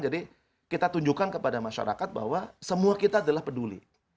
jadi kita tunjukkan kepada masyarakat bahwa semua kita adalah peduli